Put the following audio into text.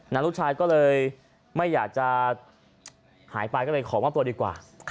ลูกชายก็เลยไม่อยากจะหายไปก็เลยขอมอบตัวดีกว่า